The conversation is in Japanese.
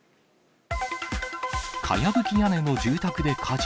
かやぶき屋根の住宅で火事。